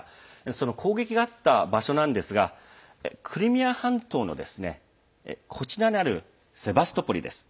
その攻撃があった場所ですがクリミア半島のこちらにあるセバストポリです。